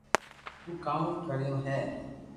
تو ڪاوُ ڪريو ھي